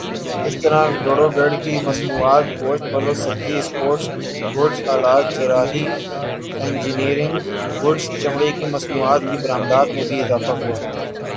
اسی طرح گڑ و گڑ کی مصنوعات گوشت پھل وسبزیوں اسپورٹس گڈز آلات جراحی انجینئرنگ گڈز چمڑے کی مصنوعات کی برآمدات میں بھی اضافہ ہوا